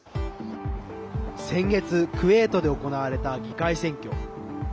先月、クウェートで行われた議会選挙。